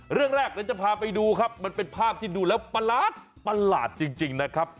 เรื่องแรกเดี๋ยวจะพาไปดูครับมันเป็นภาพที่ดูแล้วประหลาดจริงนะครับ